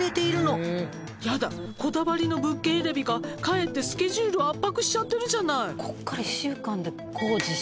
「やだこだわりの物件選びがかえってスケジュールを圧迫しちゃってるじゃない」